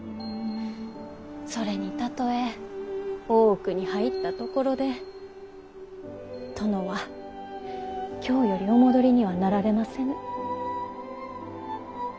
それにたとえ大奥に入ったところで殿は京よりお戻りにはなられませぬ。